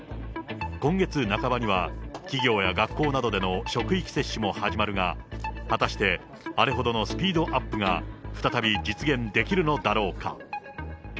今月半ばには、企業や学校などでの職域接種も始まるが、果たして、あれほどのスピードアップが再び実現できるのだろうか。